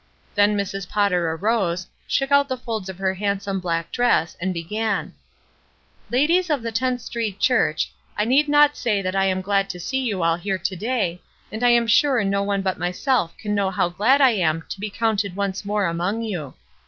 Then Mrs. Potter arose, shook out the folds of her handsome black dress, and began :— "Ladies of the Tenth Street Church, I need not say that I am glad to see you all here to day, and I am sure no one but myself can know how glad I am to be counted once more among you.